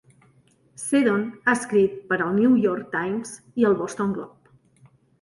Seddon ha escrit per al New York Times i el Boston Globe.